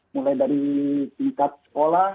mulai dari tingkat sekolah